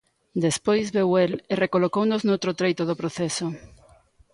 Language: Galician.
Despois veu el e recolocounos noutro treito do proceso.